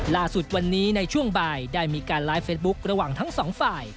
ล่าสุดวันนี้ในช่วงบ่ายได้มีการไลฟ์เฟซบุ๊คระหว่างทั้งสองฝ่าย